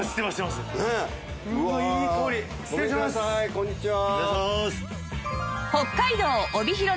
こんにちは。